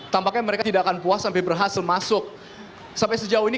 tampaknya mereka tidak akan puas sampai berhasil masuk sampai sejauh ini